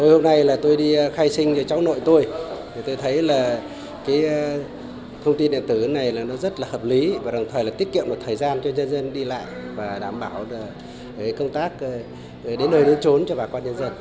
hôm nay tôi đi khai sinh cho cháu nội tôi tôi thấy thông tin điện tử này rất hợp lý và đồng thời tiết kiệm một thời gian cho dân dân đi lại và đảm bảo công tác đến nơi đến trốn cho bà quán nhân dân